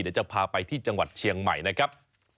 เดี๋ยวจะพาไปที่จังหวัดเชียงใหม่นะครับ